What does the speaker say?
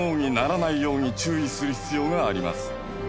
する必要があります。